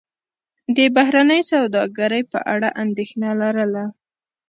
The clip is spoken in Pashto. د بهرنۍ سوداګرۍ په اړه اندېښنه لرله.